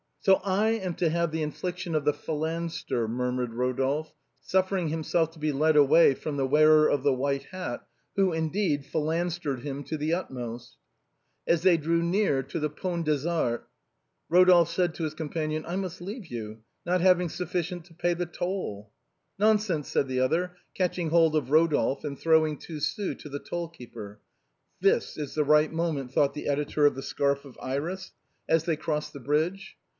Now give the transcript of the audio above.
" So I am to have the infliction of the phalanstère," murmured Rodolphe, suffering himself to be led away by the wearer of the white hat, who, indeed, phalanstered him to the utmost. As they drew near the Pont des Arts Rodolphe said to his companion —" I must leave you, not having sufficient to pay the toll." " Nonsense," said the other, catching hold of Rodolphe and throwing two sous to the toll keeper. " This is the right moment," thought the editor of " The Scarf of Iris," as they crossed the bridge.